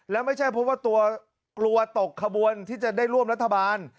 แล้วไม่ใช่เพราะว่ากลัวตกขบวนที่จะได้ร่วมรัฐบาล